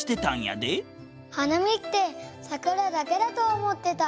はなみってさくらだけだとおもってた！